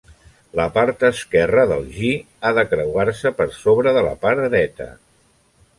La part esquerra del "gi" ha de creuar-se per sobre de la part dreta.